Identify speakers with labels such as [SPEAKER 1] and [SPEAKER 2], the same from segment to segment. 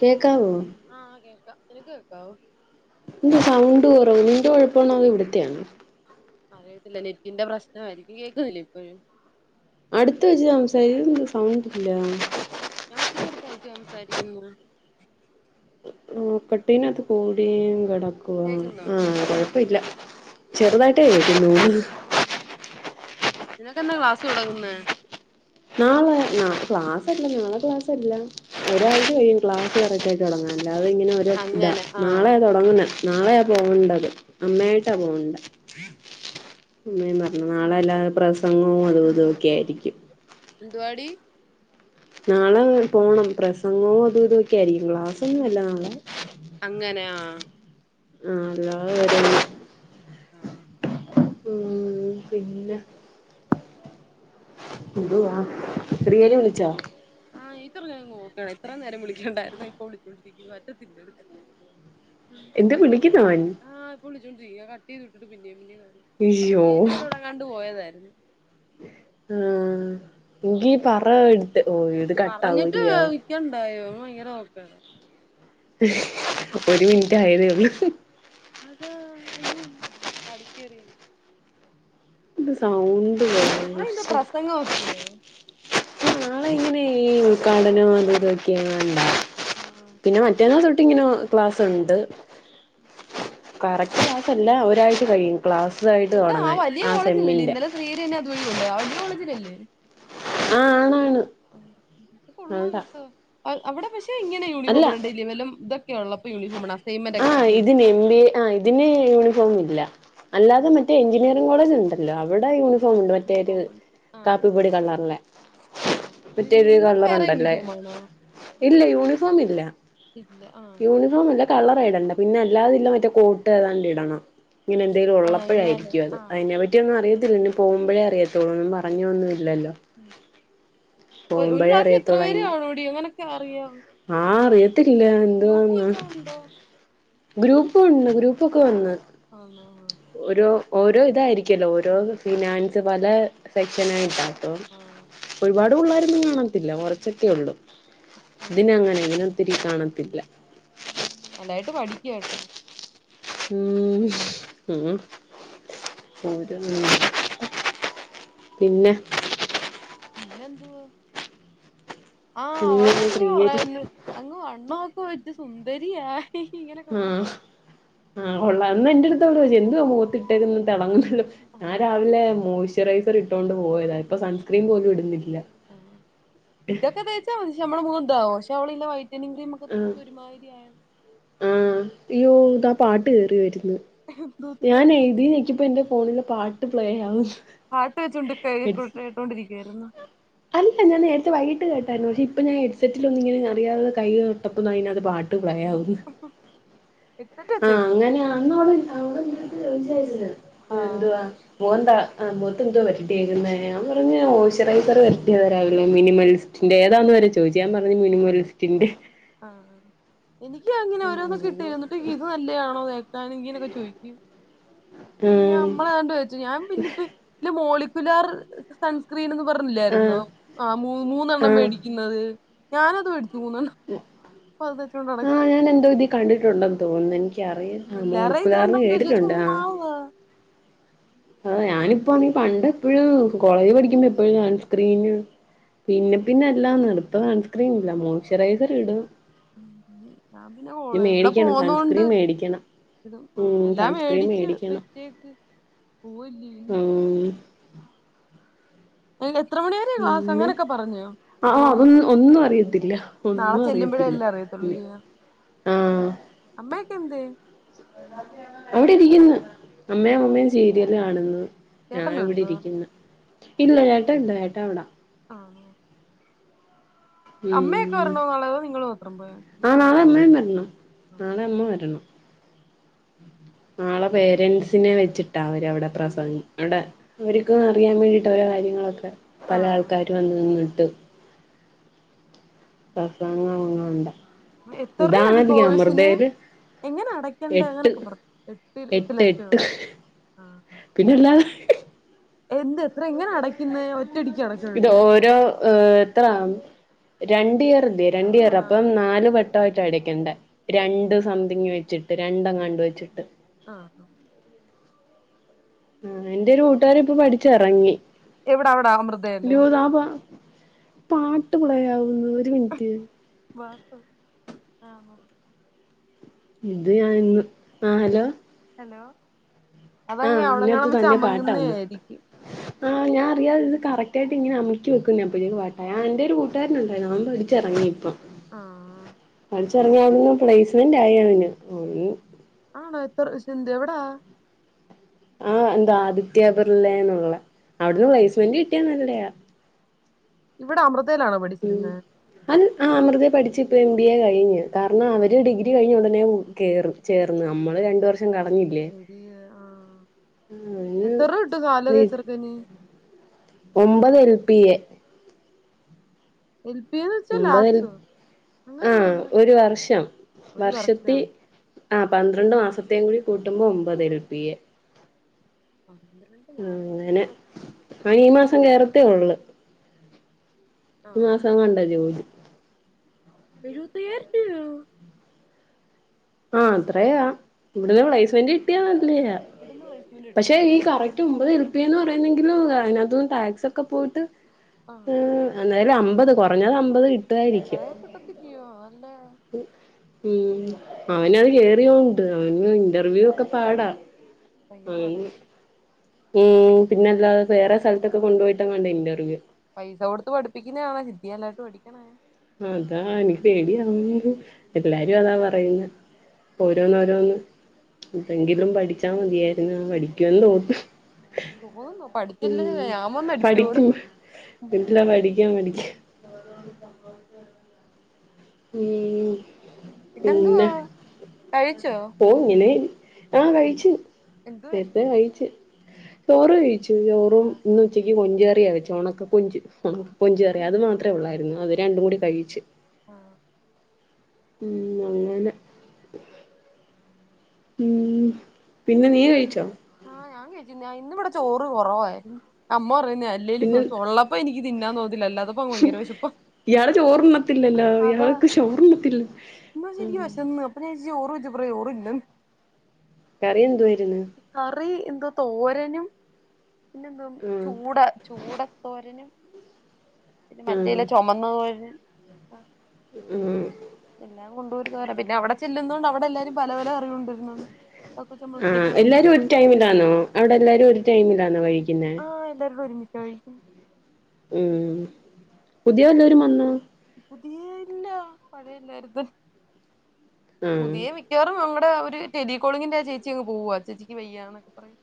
[SPEAKER 1] കേക്കാവോ
[SPEAKER 2] ആഹ് കേൾക്കാം നിനക്ക് കേൾക്കാവോ
[SPEAKER 1] നിന്റെ സൗണ്ട് കുറവ് നിന്റെ കുഴപ്പാണോ അതൊ ഇവിടുത്തെയാണോ
[SPEAKER 2] അറിയത്തില്ല നെ റ്റിന്റെ പ്രശ്നമായിരിക്കും കേൾക്കുന്നില്ലേ ഇപ്പോഴും
[SPEAKER 1] അടുതു വച്ചുസംസാ [inaudible] ഇത് എന്താ സൗണ്ട് ഇല്ല
[SPEAKER 2] ഞാൻ ഒത്തിരി [unintelligible] സംസാരിക്കുന്നു
[SPEAKER 1] മക്കട്ടീന അത് കൂടിയും കിടക്കുവ
[SPEAKER 2] കേക്കുന്നോ
[SPEAKER 1] ആ കൊഴപ്പീല്ല ചെറുതായിട്ടേ കേക്കുന്നു
[SPEAKER 2] നിനക്കെന്താ ക്ലാസ് തുടങ്ങുന്നെ
[SPEAKER 1] നാളെ ക്ലാസ്ല്ല നാളെ ക്ലാസ്ല്ല ഒരാഴ്ച കഴിയും ക്ലാസ്റ തുടങ്ങ അല്ലാതെ ഇങ്ങനെ ഒരു ഇതാ
[SPEAKER 2] അങ്ങനെ ആഹ്
[SPEAKER 1] നാളെയാ തുടങ്ങുന്നത് നാളെയാ പോകേണ്ടത് അമ്മായിട്ടാ പോണ്ട അമ്മ പറഞ്ഞ നാളെല്ലാതെ പ്രസംഗവും അതും ഇതുംക്കെ ആയിരിക്കും
[SPEAKER 2] ന്തുവാടി
[SPEAKER 1] നാളെ പോണം പ്രസംഗോ അതും ഇതൊക്കെ ആയിരിക്കും ക്ലാസ്സൊന്നുല്ല നാളെ
[SPEAKER 2] അങ്ങനെയ
[SPEAKER 1] [unintelligible]
[SPEAKER 2] ആഹ്
[SPEAKER 1] ഉം പിന്നെ എതുവാ റിയന വിളിച്ചോ
[SPEAKER 2] ആഹ് ഇത്ര നേരം നോക്ക ഇത്ര നേരം വിളിക്കണ്ടായിരുന്ന ഇപ്പൊ വിളിച്ചു വിളിച്ചോണ്ടിരിക്കുന്നു പറ്റത്തില്ല
[SPEAKER 1] എന്ത് വിളിക്കുന്നു അവൻ
[SPEAKER 2] ആഹ് വിളിച്ചോണ്ട് രിക്ക്യ കട്ട് ചെയ്ത് ഇട്ടിട്ട് പിന്നേം പിന്നേ കാണ [inaudible]
[SPEAKER 1] അയ്യോ
[SPEAKER 2] ന്റെ കൂടെ ഉടങ്ങാണ്ട് പോയതായിരുന്നു
[SPEAKER 1] ഉം എങ്കീ പറ ഇടുട്ട് യി
[SPEAKER 2] പറഞ്ഞിട്ട് വിക്ക ഇണ്ടായോ ഭയങ്കര നോക്ക
[SPEAKER 1] ഒരു മിനിറ്റായതെള്ളൂ
[SPEAKER 2] അതാ അയിന് പടിക്കേറിയ
[SPEAKER 1] സൗണ്ട് ലെ [unintelligible]
[SPEAKER 2] ഓക്കെ
[SPEAKER 1] നാളെ ഇങ്ങനെ ഈ ഉദ്ഘാടനം അത ഇതൊക്കെയണ്ട
[SPEAKER 2] ആ
[SPEAKER 1] പിന്നെ മറ്റേന്ന തൊട്ട് ഇങ്ങനെ ക്ലാസ് ഉണ്ട്
[SPEAKER 2] ആഹ്
[SPEAKER 1] കറക്റ്റ് ക്ലാസ് അല്ല ഒരായിച്ച കഴിയും ക്ലാസ് ആയിട്ട് തുടങ്ങാൻ ആ സെമ്മിന്റെ
[SPEAKER 2] [unintelligible] ഴണ്ട് ആ വലയ കോളജല്ലേ
[SPEAKER 1] ആ ആണാണ്
[SPEAKER 2] കൊള്ളാം
[SPEAKER 1] അതാ
[SPEAKER 2] കേട്ട അവി പെ ഇങ്ങനെ
[SPEAKER 1] അല്ല
[SPEAKER 2] യൂണഫോം ഇടണ്ടല്ല വല്ല ഇൊക്കെയ ഉള്ളപ്പൊ യൂണിഫോംണണ്
[SPEAKER 1] ആ് ഇതിന് എം ബി എ ആ ഇതിന് യൂണിഫോം ഇല്ല അല്ലാതെ
[SPEAKER 2] ആഹ്
[SPEAKER 1] മറ്റേ എഞ്ചി നീറി കോളേജ് ഉണ്ടല്ലോ അവിടെ യൂണിഫോം ഉണ്ട് മറ്റേരു
[SPEAKER 2] യൂണിഫോം
[SPEAKER 1] കാപ്പിപൊടി കള്ളറിലെ
[SPEAKER 2] ആ നി നിങ്ങൾക്ക് വേറെ യൂണിഫോം ആണോ
[SPEAKER 1] ഇല്ല യൂണിഫോം ഇല്ല
[SPEAKER 2] ഇല്ല ആഹ്
[SPEAKER 1] യൂണി ഇല്ല കളർായി ഇടേണ്ട പിന്നെ എല്ലാതല്ല മറ്റേ കോട്ട് ഏതാണ്ട് ഇടണം ഇങ്ങനെ എന്തെങ്കിലും
[SPEAKER 2] ആഹ് അങ്ങനെ
[SPEAKER 1] ഉള്ളപ്പോഴായിരിക്കും അത്
[SPEAKER 2] ആഹ്
[SPEAKER 1] അതിനെപ്പറ്റി പറ്റിയ ഒന്നും അറിയത്തില്ല ഇനി പോുമ്പോഴേ അറിയത്തുള്ളൂ ഒന്നും പറഞ്ഞോൊന്നുമ ഇല്ലോ
[SPEAKER 2] ഒരു ക്ലാസ്സിൽ എത്ര
[SPEAKER 1] അറിയത്തോളൂ
[SPEAKER 2] പേര്
[SPEAKER 1] അതിന്റെ
[SPEAKER 2] കണ്ണോടി അങ്ങനൊക്കെ അറിയാവോ
[SPEAKER 1] ആഹ് അറിയത്തില്ല എന്ത്വാന്നാ
[SPEAKER 2] വല്ലോം ഉണ്ടോ
[SPEAKER 1] ഗ്രൂപ്പ് ഉണ്ട് ഗ്രൂപ്പൊക്കെ വന്ന്
[SPEAKER 2] ആ ആ
[SPEAKER 1] ഓരോ ഓരോ ഇതായിരിക്കല്ലോ ഓരോ ഫിനാൻസ് പല സെക്ഷന ആായിട്ടാണ് അ
[SPEAKER 2] ആഹ്
[SPEAKER 1] ഒരുപാട് പിള്ളോരന്നും കാണത്തില്ല കുറച്ചൊക്കെ ഉള്ളു
[SPEAKER 2] ആഹ്
[SPEAKER 1] ഇതിന അങ്ങനെങ്ങന ഒത്തിരി കാണത്തില്ല
[SPEAKER 2] നല്ലായിട്ട് പഠിക്കുക കേട്ടോ
[SPEAKER 1] ഉ ഉട്ട പിന്നെ
[SPEAKER 2] പിന്നെന്തു ആഹ
[SPEAKER 1] പിന്നെ
[SPEAKER 2] അവള് ഇങ്ങെ
[SPEAKER 1] ശ്രീഹരി
[SPEAKER 2] പറന്ന് അങ്ങ് വണ്ണൊക്കെ വെച്ച് സുന്ദരിയായി ഇങ്ങനൊക്കെ പറ
[SPEAKER 1] ആഹ് ആ് ഉള്ള
[SPEAKER 2] ആഹ്
[SPEAKER 1] അന്ന് എറ അടുത്ത ഉള്ള ചോച്ച എന്തുവാ മുഖത്തി ഇട്ടേക്ക തിളങ്ങുന്നല്ലോ ഞാൻ
[SPEAKER 2] ആഹ്
[SPEAKER 1] രാവിലെ മോയ്സ്ചറൈസർ ഇട്ടോൊണ്ട് പോയതാ ഇപ്പൊ സൺസ്ക്രീൻ പോലും ഇടുന്നില്ല
[SPEAKER 2] ആ് ഇതൊക്കെ തേച്ചാക്ഷെ നമ്മള മുൂന്താവും പക്ഷെ അവളല്ല വൈ
[SPEAKER 1] ആഹ്
[SPEAKER 2] [inaudible] ഒരുമാതിരിയ
[SPEAKER 1] ആഹ് അയ്യോ ഇതാ പാട്ട് കേറി വരുന്നു
[SPEAKER 2] എന്തോത്തിന്റെ
[SPEAKER 1] ഞാൻ എഴുതി എക്കിപ്പോ എന്റെ ഫോണില പാട്ട് പ്ലേ ആവ്ന്ന്
[SPEAKER 2] പാട്ട് വെച്ചുണ്ട് കട്ടോണ്ടിരിക്കയായിരുന്നു
[SPEAKER 1] ഇല്ല ഞാ നേരത്തെ വൈകട്ട് കേട്ടായിരുന്നു പക്ഷ ഇപ്പ ഞാൻ ഹെ്സെറ്റിൽ ഒന്ന ഇങ്ങന അറിയാതെ കയി തട്ടപ്പോൊന്ന് അതിനക പാ്ട്ട് പ്ലേയാവുന്നു
[SPEAKER 2] ആഹ്
[SPEAKER 1] ആഹ് അങ്ങനെയ അന്ന് അടെട്ട് വിചാരിച്ച
[SPEAKER 2] ആഹ്
[SPEAKER 1] എന്തുവാ മുന്തത്ത്ന്തോ വരട്ടിയക്കുന്ന ഞാൻ പറഞ്ഞഞ് മോയ്സ്ചറൈസർ വരട്ടിയ വരാവില്ലേ മിനിമൽസ് ന്റെ ഏതാണ വരെ ചോദിച്ച് ഞാൻ പറഞ്ഞഞ് മിനിമുലിന്റെ
[SPEAKER 2] ആഹ് എനിക്ക് അങ്ങനെ ഓരോന്നും കിട്ടി എന്നിട്ട് ഇത് നല്ലാണോ നേക്കാൻ ഇങ്ങനെയൊക്കെ ചോയ്ക്കും
[SPEAKER 1] ആഹ്
[SPEAKER 2] നമ്മളതണ്ട് ചോച്ച ഞാൻ പിന്നിട്ട ഇ മോളിക്കുലാർ സൺസ്ക്രീൻ എന്ന് പർ ല്ലായിരുന്നോ
[SPEAKER 1] ആഹ്
[SPEAKER 2] ആഹ് മൂന്നെണ്ണം
[SPEAKER 1] ആഹ്
[SPEAKER 2] മേടിക്കുന്നത് ഞാനത് മേടിച്ചു മൂന്നെണ്ണം
[SPEAKER 1] വ
[SPEAKER 2] [unintelligible] നടക്ക്
[SPEAKER 1] ഞാൻ എന്താ വിതി കണ്ടിട്ടുണ്ടെന്ന് തോന്നുന്നു എനിക്ക അറിയല്ല ആഹ്
[SPEAKER 2] എല്ലാരെ ഇത്
[SPEAKER 1] മോളക്കുലാർ
[SPEAKER 2] കണ്ടോണ്ട് പക്ഷെ
[SPEAKER 1] കേട്ടിട്ടുണ്ട്
[SPEAKER 2] ചുമ്മാ
[SPEAKER 1] ആഹ്
[SPEAKER 2] [inaudible]
[SPEAKER 1] ആഹ് ഞാനിപ്പോ പറ പണ്ട എപ്പോഴും കോളേജ് പഠിക്കുമ്പോ എപ്പോഴും നൺ സ്ക്രീന് പിന്നെ പിന്നെ അല്ലാംന്ന്ടുപ്പ ഹൺസ്ക്രീൻ ഇല്ല മോയ്സ്ചറൈസർ ഇടും
[SPEAKER 2] ഞാൻ പിന്നെ
[SPEAKER 1] ഇനി
[SPEAKER 2] ഓളെ ബടെ
[SPEAKER 1] മേടിക്കണം
[SPEAKER 2] പോന്നോണ്ട്
[SPEAKER 1] സൺസ്ക്രീൻ മേടിക്കണം
[SPEAKER 2] ഇതും ആ
[SPEAKER 1] ഉം
[SPEAKER 2] എല്ലാം
[SPEAKER 1] സൺസ്ക്രീൻ
[SPEAKER 2] മേടിച്ച്
[SPEAKER 1] മേടിക്കണം
[SPEAKER 2] വറ്റേക്ക് പോവല്ല
[SPEAKER 1] ഉം
[SPEAKER 2] അയ്ൻ എത്ര മണി വരെ ക്ലാസ്
[SPEAKER 1] പിന്നെ
[SPEAKER 2] അങ്ങനൊക്കെ പറഞ്ഞോ എത്ര
[SPEAKER 1] ആഹ്
[SPEAKER 2] മണി
[SPEAKER 1] അതൊന്നും ഒന്നും അറിയത്തില്ല
[SPEAKER 2] നാളെ
[SPEAKER 1] ഒന്നും
[SPEAKER 2] ചെല്ലുമ്പോഴേ
[SPEAKER 1] അറിയത്തില്ല
[SPEAKER 2] അല്ലാം അറിയത്തുള്ളൂ ചെയ്യ
[SPEAKER 1] ആഹ്
[SPEAKER 2] അമ്മയൊക്കെ എന്തെ
[SPEAKER 1] ഇവിടെ ഇരിക്കുന്നു അമ്മയും അമ്മയും ചീരിയല് കാണുന്നു ഞാൻ ഇവിടെ
[SPEAKER 2] ചേട്ടനുണ്ടോ
[SPEAKER 1] ഇരിക്കുന്നു ഇല്ല ചേട്ട ഇണ്ട് ചേട്ടാ അവടാ
[SPEAKER 2] ആഹ് അമ്മയൊക്കെ
[SPEAKER 1] ഉം
[SPEAKER 2] വരണമ എന്നുള്ളത നിങ്ങൾ മാത്രം പോയാ
[SPEAKER 1] [unintelligible] നാളെ അമ്മ വരും
[SPEAKER 2] [inaudible]
[SPEAKER 1] നാളെ പേരൻറ്സിനെ വെച്ചിട്ടാ അവരവിടെ പ്രസംഗ അവടെ അവര്ക്ക് അറിയാൻ വേണ്ടിയിട്ട് അവര കാര്യങ്ങളൊക്കെ പല
[SPEAKER 2] ആഹ്
[SPEAKER 1] ആൾക്കാരു വന്ന് നിന്ന്ട്ട് [unintelligible]
[SPEAKER 2] എത്രയടി
[SPEAKER 1] ഇതാണല്ലേ
[SPEAKER 2] കോഴ്സിന്
[SPEAKER 1] അമൃതേല്
[SPEAKER 2] എങ്ങനെ അടയ്ക്കേണ്ട്
[SPEAKER 1] എട്ട്
[SPEAKER 2] അങ്ങനെയൊക്കെ പറ എട്ട് എട്ട് ലക്ഷോ ആഹ്
[SPEAKER 1] പിന്നെല്ലാതെ
[SPEAKER 2] എന്ത് എത്ര എങ്ങനാ അടയ്ക്കുന്നേ
[SPEAKER 1] ഇത് ഓരോ ഏഹ് ത്തം രണ്ട് ഇയർ ലെ രണ്ട് ഇയർ
[SPEAKER 2] ആഹ്
[SPEAKER 1] അപ്പം നാല് വട്ടായിട്ട് അടക്കണ്ട രണ്ട് സംതിങ്ങ് വെച്ചിട്ട് രണ്ടങ്ങാണ്ട് വെച്ചിട്ട്
[SPEAKER 2] ആഹ്
[SPEAKER 1] ആഹ് എന്റെ ഒരു കൂട്ടുകാരി ഇപ്പൊ പഠിച്ച ഇറങ്ങി
[SPEAKER 2] എവിടെ അവിടെ അമൃതയല്ലോ
[SPEAKER 1] പാട്ട് പ്ലെ ആവുന്ന് ഒരു മിനിറ്റ്
[SPEAKER 2] [unintelligible]
[SPEAKER 1] ഇത് ഞാൻന്ന് ആഹ് ഹലോ
[SPEAKER 2] ഹലോ അതങ്ങ
[SPEAKER 1] ആഹ്
[SPEAKER 2] അവിടെ
[SPEAKER 1] ഇതിനകത്ത്
[SPEAKER 2] ങ്ങാനും വെച്ച് അമുങ്ങുന്നേയിരിക്കും
[SPEAKER 1] ആ ഞാ അറിയാതെ ഇത് കറക്റ്റ് ആയിട്ട് ഇങ്ങനെ അമർക്കി വെക്ക അപ്പോഴേക്കും പാട്ടായി ആഹ് ന്റെ ഒരു കൂട്ടുകാരനുണ്ടായിരുന്നു അവൻ പഠിച്ചിറങ്ങി ഇപ്പം കൂട്ടുകാരരുണ്ടായിരുന്നു നൻ പടിച്ചിറങ്ങി ഇപ്പം
[SPEAKER 2] ആഹ്
[SPEAKER 1] [unintelligible]
[SPEAKER 2] ആണോ എത്ര യിസന്റെ എവിട
[SPEAKER 1] ആഹ് എന്താ ആദിത്യബിർലേ ന്നുള്ളെ അവിടുന്ന് വേസ്മെന്റ് കിട്ടിയനല്ലയാ.
[SPEAKER 2] ഇവിടെ അമൃതേൽ ആണോ?
[SPEAKER 1] ഉം അൻ അമൃതെ പഠിച്ച് ഇപ്പം എം ബി എ കഴിഞ് കാരണം അവര് ഡിഗ്രി കഴിഞ്ഞ് ഉടനെ മു കേറും. ചേർന്ന് അമ്മൾ രണ്ട് വർഷ്
[SPEAKER 2] [unintelligible]
[SPEAKER 1] അതിന്
[SPEAKER 2] [inaudible]
[SPEAKER 1] ഒമ്പത് എൽ പി എ.
[SPEAKER 2] എൽപി എന്ന് വെച്ചാൽ
[SPEAKER 1] ഒമ്പത് എൽ
[SPEAKER 2] ലാഡ്സ്.
[SPEAKER 1] ആഹ് ഒരു വർഷം
[SPEAKER 2] ഒരു
[SPEAKER 1] വർഷത്തി
[SPEAKER 2] വർഷം
[SPEAKER 1] ആ പന്ത്രണ്ട് മാസത്തേും കൂടി കൂട്ടുമ്പോ ഒമ്പത് എൽപി
[SPEAKER 2] [inaudible]
[SPEAKER 1] ആങ്ങനെ
[SPEAKER 2] കൂടെ കിട്ടുമ്പോ
[SPEAKER 1] ആ ഈ മാസം കേറത്തെ ഉള്ളു.
[SPEAKER 2] ആഹ്
[SPEAKER 1] [unintelligible]
[SPEAKER 2] എഴുവതയ്യായിരം രൂപ്യോ
[SPEAKER 1] ആ അത്രേയ ഇവിടുന്ന്
[SPEAKER 2] രൂപയോ
[SPEAKER 1] പ്ലേസ്മെന്റ് കിട്ടിയാ നല്ലെയാ
[SPEAKER 2] ഇവിടുന്ന് പ്ലേസ്മെന്റ്
[SPEAKER 1] പക്ഷെ
[SPEAKER 2] കിട്ടണില്ല
[SPEAKER 1] ഈ കറക് ട്ട് മ്പത് എല്പിയ ന്ന് പറയുന്നെങ്കിലും അയ്നകത്ത്ന്ന് ടാക്സൊക്കെ പോയ്‌ട്ട്
[SPEAKER 2] ആഹ്
[SPEAKER 1] അന്നേലും അമ്പത് കൊറഞ്ഞത് അമ്പത് കിട്ടുവായിരിക്കും.
[SPEAKER 2] [unintelligible]
[SPEAKER 1] [unintelligible] അവനത് കേയറിയോണ്ട് അവന് ഇന്റർവ്യൂ ഒക്കെ പാടാ. അവന്
[SPEAKER 2] [unintelligible]
[SPEAKER 1] ഉം പിന്നല്ലാതെ വേറെ സ്ഥലത്തൊക്ക കൊണ്ടുപോയിട്ടേങ്ങാണ്ടാ ഇന്റർവ്യൂ
[SPEAKER 2] പൈസ കൊടുത്ത് പഠിപ്പിക്കുന്നണേ സിദ്യില്ലായിട്ട് പഠിക്കണേ
[SPEAKER 1] അതാ നിക്ക് പേടിയാന്നു എല്ലാരും അതാ പറയുന്നേ ഓരോന്നോരോന്ന് തെങ്കിലും പഠിച്ചാമതിയായിരുന്നു [unintelligible]
[SPEAKER 2] [unintelligible]
[SPEAKER 1] ഞാൻ പഠിക്കും പഠിക്കും [unintelligible]
[SPEAKER 2] പിന്നന്തുവാ കഴിച്ചോ?
[SPEAKER 1] ങ്ങനെ ആ കഴിച്ച്
[SPEAKER 2] എന്തുവായിരുന്നു
[SPEAKER 1] നേരത്തെ കഴിച്ച് ചോറഴിച്ചു ചോറും ന്ന്ച്ചക്ക് കൊഞ്ചകറിയ വച്ച് ഉണക്ക കൊഞ്ചു ഉണ കൊഞ്ചറി അത് മാത്രം ട്ടെ ള്ളായിരുന്നു അത് രണ്ടു കൂടി കഴിച്ച്
[SPEAKER 2] ആഹ
[SPEAKER 1] ഉം അങ്ങനെ ഉം പിന്നെ നീ കഴിച്ചോ?
[SPEAKER 2] ആഹ് ഞാൻ കഴിച്ചി ഞാ ഇന്നിവിടെ ചോറ് കുറവായിരുന്നു അമ്മ പറയുന്ന അല്ലേലും
[SPEAKER 1] പിന്നെ
[SPEAKER 2] കുറച്ചുള്ളപ്പോ പ്പനിക്ക് തിന്നാൻ തോന്നത്തില്ല ല്ലാത്താപ്പോ യങ്കര വിശപ്പാ
[SPEAKER 1] ഇയാള് ചോറുണ്ണത്തില്ലല്ലോ
[SPEAKER 2] അതാ
[SPEAKER 1] ഇയാൾക്ക് ശോറണത്തില്ല
[SPEAKER 2] ന്നേ ചോറോയിച്ചപ്പോ ചോറില്ലാന്ന്
[SPEAKER 1] കറി എന്ത്‌വാര്ന്ന്
[SPEAKER 2] കറി എന്താ തോരനും പിന്നെന്തോ ചൂട
[SPEAKER 1] ആ
[SPEAKER 2] ചൂട തോരനും പിന്നെ
[SPEAKER 1] ആ
[SPEAKER 2] മറ്റേല ചുമന്ന തോരനും
[SPEAKER 1] ഉം
[SPEAKER 2] എല്ലാം കൊണ്ടര് തോരൻ പിന്നെ അവടെ ച്ചെല്ലുന്നതൊണ്ട് അവിടെ എല്ലാരും പല പല അറിവ്ണ്ടിരുന്നു അതക്കെച്ച് പ്പോ മ്മൾ
[SPEAKER 1] ആഹ്
[SPEAKER 2] റ്റക്ക് ങ്ങാണ്ട്
[SPEAKER 1] എല്ലാരും ഒരു ടൈമിലാണോ അവിടെ എല്ലാരും ഒരു ടൈമിലാണോ കഴിക്കുന്നേ?
[SPEAKER 2] ആ ല്ലാരും ഒരുമിച്ചഴിക്കും
[SPEAKER 1] ഉം പുതിയ ല്ലാരും വന്നോ
[SPEAKER 2] പുതിയ ല്ല പഴയല്ലരുത്
[SPEAKER 1] ആഹ്
[SPEAKER 2] പുതിയ മിക്കവറും മമ്മടെ അവര് ടെലികോളിങ്ങിന്റെ ചേച്ചി അങ്ങ് പോവുവ ചേച്ചിക്ക് വയ്യാന്ന് പറയും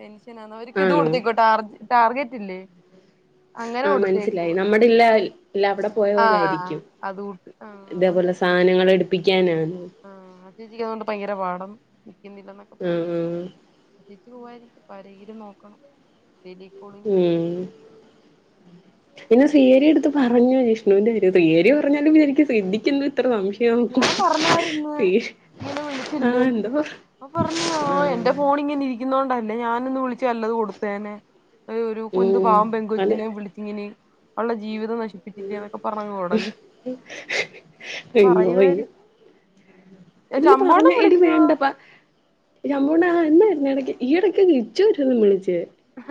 [SPEAKER 2] പെൻഷനാന്ന അവർക്ക് ഇത്
[SPEAKER 1] ആണോ
[SPEAKER 2] കൊടുത്തേക്കോ ടാർ ടാർഗറ്റ് ല്ലേ
[SPEAKER 1] ആഹ മനസ്സിലായി നമ്മടെ ല്ല ല്ല അവിടെ പോയ
[SPEAKER 2] ആഹ്
[SPEAKER 1] പോലൊയിരിക്കും
[SPEAKER 2] അത് കൂട്ട് ആഹ്
[SPEAKER 1] ഇതേപോലെ സ സാനങ്ങളെടുപ്പിക്കാനാ
[SPEAKER 2] ആഹ ആ ചേച്ചിക്കതുണ്ട് ഭയങ്കര പാഠം നിക്കുന്നില്ലന്ന്
[SPEAKER 1] ഉം ഉം
[SPEAKER 2] ചീറ്റ് പോവായിരിക്കും പരയില് നോക്കണം തിരിക്കൊള്
[SPEAKER 1] ഉം പിന്നെ സിരിടുത്ത് പറഞ്ഞു വിഷ്ണുന്റെ വിരുദ് യര്യറഞ്ഞാലും നിക്ക് ശ്ദ്ധിക്കന്ന് ത്രസംശയം പീസ്
[SPEAKER 2] ങ്ങനെ വിളിച്ചില്ലന്ന് ആ പറഞ്ഞോ
[SPEAKER 1] ആഹ്
[SPEAKER 2] എന്റെ ഫോണി ഇങ്ങിനെ ഇരിക്കുന്ന്ണ്ടല്ലേ ഞാനൊന്ന് വിളിച്ചല്ലത് കൊടുത്തേനെ ഒരു കുതു
[SPEAKER 1] ഉം
[SPEAKER 2] പാവം
[SPEAKER 1] അതെ
[SPEAKER 2] പെങ്കുച്ചനെ വിളിച്ചിങ്ങനെയും ഉള്ള ജീവിത ശിപ്പിച്ചില്ലന്നൊക്കെ പറഞ്ഞാടങ്ങി
[SPEAKER 1] അയ്യോ അയ്യോ ല്ല പറഞ്ഞ
[SPEAKER 2] ശമ്പോണ്ണം
[SPEAKER 1] എടി
[SPEAKER 2] വിളിക്കുവോ
[SPEAKER 1] വേണ്ടപ്പ നമ്മടാളാ എന്തുന്ന ഇടക്ക് ഈ ഇടക്ക് ഇച്ചരുന്ന് വിളിച്ച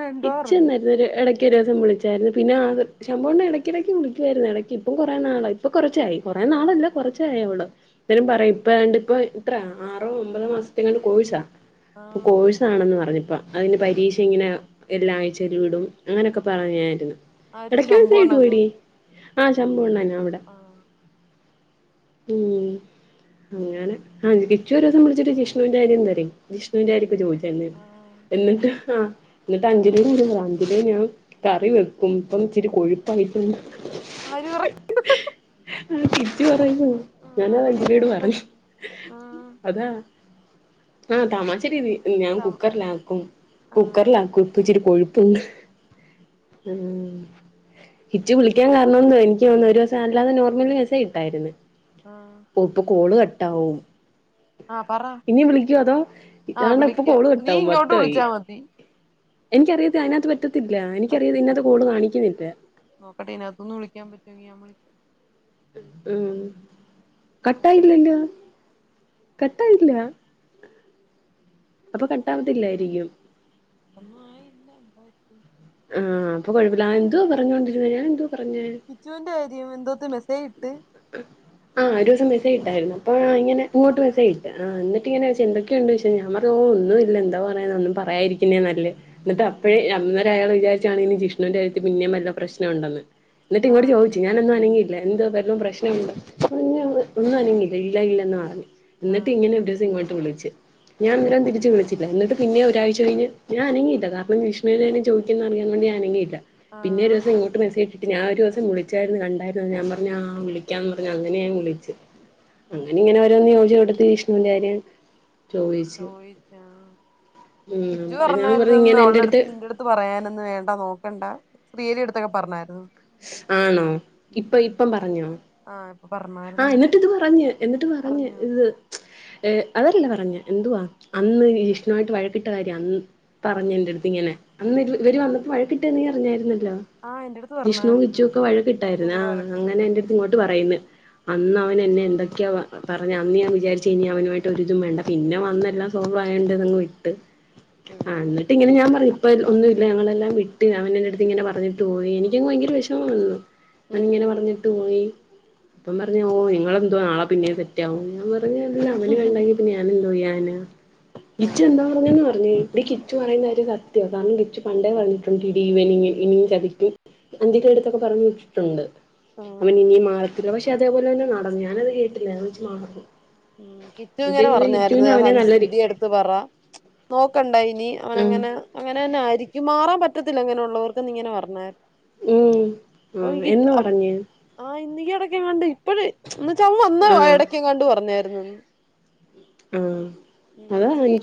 [SPEAKER 2] എന്തോ
[SPEAKER 1] ഇച്ച
[SPEAKER 2] പറഞ്ഞു
[SPEAKER 1] ന്നൊരു ഇടയ്ക്ക് ഒരുസം വിളിച്ചാരുന്നു പിന്നെ ആത് ശമ്പവംണ്ണം ഇടക്കിടക്ക് വിളിക്കുവായിരുന്നു ഇടക്ക് ഇപ്പം കുറേ നാളായി ഇപ്പ കുറച്ചായി കുറേ നാളല്ല
[SPEAKER 2] ആഹ്
[SPEAKER 1] കുറച്ചോയള് ന്തേലും പറയും ഇപ്പ രണ്ട ഇപ്പോ ഇത്ര ആറോ ഒമ്പതോ മാസത്തെങ്ങാണ്ട് കൊഴ്‌സാ അപ്പൊ
[SPEAKER 2] ആഹ്
[SPEAKER 1] കോഴ്സ്‌ ആണെന്ന് പറഞ്ഞപ്പ അതിന്റെ പരീക്ഷ ഇങ്ങനെ എല്ലാം ആഴ്ചലും വിടും അങ്ങനെക്കെ പറഞ്ഞായിര്‌ന്നു
[SPEAKER 2] ആര്ക്ക്
[SPEAKER 1] ഇടക്ക്
[SPEAKER 2] ശമ്പൂവണ്ണനോ
[SPEAKER 1] വീടോടി ആ ശമ്പൂണ്ണനാവിടെ
[SPEAKER 2] ആഹ്
[SPEAKER 1] ഉം അങ്ങനെ ആ കിച്ചു ഒരെസം വിളിച്ചിട്ട് ജിഷ്ണുന്റെ കാര്യം തെരക്കി ജിഷ്ണുന്റെ കാര്യം ഒക്കെ ചോദിച്ചു എന്നി
[SPEAKER 2] ആഹ്
[SPEAKER 1] എന്നിട്ട് അഹ് എന്നിട്ട് അഞ്ചലി [unintelligible] അഞ്ചലി ഞാൻ കറി വെക്കും ഇപ്പൊ ഇച്ചിരി കൊഴുപ്പായിട്ട്
[SPEAKER 2] ആരു പറ
[SPEAKER 1] ആ കിച്ചു പറഞ്ഞു
[SPEAKER 2] ആഹ്
[SPEAKER 1] ഞാനത്
[SPEAKER 2] അവണേനെ
[SPEAKER 1] അഞ്ജലിയോട് പറഞ്ഞു
[SPEAKER 2] ആഹ്
[SPEAKER 1] അതാ ആഹ് തമാശ രീതി ഞാൻ
[SPEAKER 2] സം
[SPEAKER 1] കുക്കറിലാക്കും
[SPEAKER 2] ആഹ്
[SPEAKER 1] കുക്കറിലാക്കും ഇപ്പൊ ച്ചിരി കൊഴുപ്പുണ്ട് ഉം കിച്ചു വിളിക്കാൻ കാരണം എനിക്ക് തോനുന്നു ഒരുസം അല്ലാതെ നോർമലി മെസ്സേജിട്ടായിരുന്നു
[SPEAKER 2] ആഹ്
[SPEAKER 1] ഓ, ഇപ്പൊ കോളു കട്ടാവും
[SPEAKER 2] ആഹ് പറ
[SPEAKER 1] ഇനി വിളിക്കോ അതോ
[SPEAKER 2] ആഹ്
[SPEAKER 1] ദാണ്ടെപ്പം
[SPEAKER 2] വിളിക്കാം
[SPEAKER 1] കോള്
[SPEAKER 2] നീ
[SPEAKER 1] കാട്ടാവും
[SPEAKER 2] ഇങ്ങോട്ട്
[SPEAKER 1] പത്തായി
[SPEAKER 2] വിളിച്ചാ മതി
[SPEAKER 1] എനിക്കറിത് അതിനകത്ത് പറ്റത്തില്ല എനിക്കറിയത് ഇതിനകത്ത് കോളു കാണിക്കുന്നില്ല
[SPEAKER 2] നോക്കട്ടെ ഇതിനകത്ത്ന്ന് വിളിക്കാൻ പറ്റോങ്കി ഞാൻ വിളിക്കാം
[SPEAKER 1] ഉം
[SPEAKER 2] കോള് കട്ടാ
[SPEAKER 1] കട്ടായില്ലല്ലോ കട്ടായില്ല അപ്പൊ കട്ടാവാതില്ലായിരിക്കും
[SPEAKER 2] ഒന്നുആയില്ല [unintelligible]
[SPEAKER 1] ആഹ് അപ്പൊ കുഴപ്പില്ല എന്തോ പറഞ്ഞൊണ്ടിരുന്ന ഞാ എന്തോ പറഞ്ഞെ
[SPEAKER 2] കിച്ചുന്റെ കാര്യം എന്തോത്തി മെസ്സേജിട്ട്
[SPEAKER 1] ആ ഓരോസം മെസജിട്ടായിരുന്നു അപ്പോ ഇങ്ങന ഇങ്ങോട്ട് മെസ്സേ്ജിട്ട് ആ എന്നിട്ടിങ്ങനെ ചോയ്ച്ചു എന്തെക്കെ എന്തൊക്കെയുണ്ട് വിശേഷം ഞാൻ പറഞ്ഞ ഓ ഒന്നും ഇല്ല എന്താ പറയാന ഒന്നും പറയായിരിക്കുന്നേ നല്ലേ എന്നിട്ട് അപ്പോഴേ അന്നേരെയ്യാള് വിചാരിച്ചു കാണും ഇനി ജിഷ്ണുവിന്റെ കാര്യത്ത് പിന്നെയും വല്ല പ്രശ്നം ഉണ്ടെന്ന് എന്നിട്ട് ഇങ്ങോട്ട്
[SPEAKER 2] ആഹ്
[SPEAKER 1] ചോദിച്ച് ഞാനൊന്നും അനങ്ങില്ല എന്തോ വല്ലോം പ്രശ് [unintelligible] ഒന്നും അനങ്ങില്ല ഇല്ല ഇല്ലന്ന് പറഞ്ഞ എന്നിട്ട്
[SPEAKER 2] ആഹ്
[SPEAKER 1] ഇങ്ങനെ ഓരോസം ഇങ്ങോട്ട് വിളിച്ച് ഞാനന്നേരം തിരിച്ച് വിളിച്ചില്ല. എന്നിട്ട്‌ പിന്നെയും ഒരാഴ്ച കഴിഞ്ഞ് ഞാൻ അനങ്ങിയില്ല കാരണം വിഷ്ണുനെ കാര്യം ചോ ക്ക്ന്നു അറിയാവു ന്നൊണ്ട് ഞാൻ അനങ്ങീല പിന്നെ
[SPEAKER 2] ആഹ്
[SPEAKER 1] ഓരോസം ഇങ്ങോട്ട് മെസജ്ട്ട് ഞാൻ ഓരോസം വിളിച്ചായിരുന്നു കണ്ടരുന്ന ഞാ പറഞ്ഞ ആ വിളി ക്കാന്ന് പറഞ്ഞ് അങ്ങനെ ഞാൻ വിളിച്ചു അങ്ങനെ ഇങ്ങനെ ഓരോന്ന് ചോയിച്ചകൂട്ടത്തിൽ വിഷ്ണുന്റെ കാര്യം ചോദിച്ച്
[SPEAKER 2] ചോയിച്ച
[SPEAKER 1] ഉം
[SPEAKER 2] കിച്ചു
[SPEAKER 1] ഞാൻ പറഞ്ഞു
[SPEAKER 2] പറഞ്ഞായിരുന്നന്ന്
[SPEAKER 1] ഇങ്ങനെ എന്റെ അടുത്ത്
[SPEAKER 2] അവൾടെടുത്ത് നിന്റടുത്ത് എന്ത് പറയാനൊന്ന് വേണ്ട നോക്കണ്ട പ്രീതിടുത്തൊക്കേ പറഞ്ഞായിരുന്നെന്നു
[SPEAKER 1] ആണോ ഇപ്പൊ യിപ്പം പറഞ്ഞോ
[SPEAKER 2] ആഹ് ഇപ്പൊ പറഞ്ഞാ-
[SPEAKER 1] ആ എന്നിട്ട് ഇത് പറഞ്ഞ് എന്നിട്ട് പറഞ്ഞ് ഇത് [unintelligible] അതല്ല പറഞ്ഞ എന്തുവാ അന്ന് ജിഷ്ണുആയിട്ടു വഴക്കിട്ട കാര്യ അന്ന് പറഞ്ഞന്റടുത്തു ഇങ്ങിനെ അന്ന്ഇവ് ഇവർ വന്നപ്പോ വഴക്കിട്ട നീ അറിഞ്ഞായിരുന്നല്ലോ
[SPEAKER 2] ആഹ് എന്റടുത്തു
[SPEAKER 1] ജിഷ്ണുവും കിച്ചുവൊക്കേ വഴകിട്ടായിരുന്നു ആ അങ്ങനെ
[SPEAKER 2] വഴക്കിട്ടപ്പോ
[SPEAKER 1] എൻടുത്ത് ഇങ്ങോട്ട് പറയന്നെ അന്നവൻ എന്നെ എന്തൊക്കയാ പറഞ്ഞ അന്ന് ഞാൻ വിചാരിച്ച ഇനി അവനുമായിട്ട് ഒരിതും വേണ്ട പിന്നെ വന്നെല്ലാം സോൾവ് ആയോണ്ട് അതങ്ങ് വിട്ട്
[SPEAKER 2] [inaudible]
[SPEAKER 1] ആഹ് ന്നിട്ട് ഇങ്ങനെ ഞാൻ പറഞ്ഞ് ഇപ്പ ഒന്നുല്ല ഞങ്ങളെല്ലാം വിട്ട് അവൻ എന്റടുത്തു ഇങ്ങനെ പറഞ്ഞിട്ട് പോയി എനി- എനികങ്ങ് ഭയങ്കര വിഷമവന്ന് അങ്ങിനെ പറഞ്ഞിട്ട് പോയി അപ്പം പറഞ്ഞ് ഓ ഇങ്ങളെന്തുവാ നാളെ പിന്നെയും സെറ്റാവും ഞാൻ പറഞ്ഞ് അവന് ഇല്ല വേണ്ടെങ്കി പിന്നെ ഞാ ഞാനെന്തോയ്യാനാ കിച്ചു എന്തോ
[SPEAKER 2] ആഹ്
[SPEAKER 1] പറഞ്ഞന്ന് പറഞ്ഞു എടി കിച്ചു പറയുന്ന കാര്യ സത്യമാ കാരണം കിച്ചു പണ്ടേ പറഞ്ഞിട്ടുണ്ട് ഇവൻ ഇനിയും ചതിക്കും അഞ്ചലിടെടുത്തൊക്കെ പറഞ്ഞു വിട്ടിട്ടുണ്ട്
[SPEAKER 2] ആഹ്
[SPEAKER 1] അവൻ ഇനിയും മാറത്തില്ല പക്ഷെ അതേപോലെ തന്നെ നടന്ന് ഞാനത് കേട്ടില്ല ഞാൻ വെച്ച് [unintelligible]
[SPEAKER 2] ഉം കിച്ചു
[SPEAKER 1] പക്ഷെ
[SPEAKER 2] ഇങ്ങനെ
[SPEAKER 1] ഇത്
[SPEAKER 2] പറഞ്ഞായിരുന്നു
[SPEAKER 1] കിച്ചുവിന് അവനെ
[SPEAKER 2] സഞ്
[SPEAKER 1] നല്ലൊരു
[SPEAKER 2] സിദ്ധിടുത്ത പറ നോക്കണ്ട ഇനി
[SPEAKER 1] ഉം
[SPEAKER 2] അവനങ്ങനെ അങ്ങനെ തന്നെ ആയിരിക്കും മാറാൻ പറ്റത്തില്ല അങ്ങനെയുള്ളള്ളവർക്ക്ന്ന് ഇങ്ങനെ പറഞ്ഞെ
[SPEAKER 1] ഉം
[SPEAKER 2] അപ്പൊ
[SPEAKER 1] ആഹ് എന്ന് പറഞ്ഞ്
[SPEAKER 2] ആഹ ഇന്നക്ക് ഇടക്ക വേണ്ടേ ഇപ്പോഴ് എന്നിട് അവൻ വന്ന്
[SPEAKER 1] ആഹ്
[SPEAKER 2] എടക്കെങ്ങാണ്ടോ പറഞ്ഞായിരുന്ന്
[SPEAKER 1] ഉം
[SPEAKER 2] ഉം ശ്രീ